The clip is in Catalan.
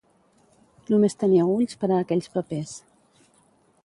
Només teníeu ulls per a aquells papers.